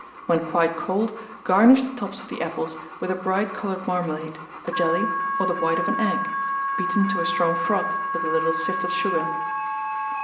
When quite cold, garnish the tops of the apples with a bright coloured marmalade, a jelly, or the white of an egg, beaten to a strong froth, with a little sifted sugar.